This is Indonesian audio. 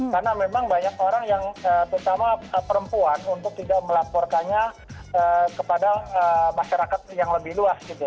karena memang banyak orang yang terutama perempuan untuk tidak melaporkannya kepada masyarakat yang lebih luas gitu ya